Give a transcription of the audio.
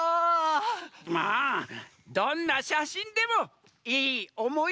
まあどんなしゃしんでもいいおもいでざんす。